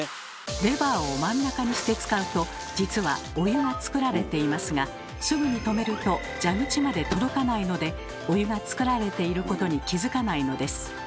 レバーを真ん中にして使うと実はお湯が作られていますがすぐに止めると蛇口まで届かないのでお湯が作られていることに気付かないのです。